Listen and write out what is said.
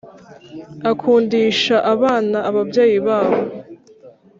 Akundisha abana ababyeyi babo,